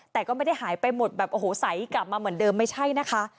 แต่ก็ไม่ได้หายไปหมดแบบโอ้โหใสกลับมาเหมือนเดิมไม่ใช่นะคะ